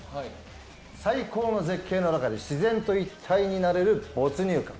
最高の絶景の中で自然と一体になれる没入感。